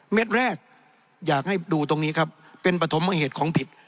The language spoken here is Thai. แรกอยากให้ดูตรงนี้ครับเป็นปฐมเหตุของผิด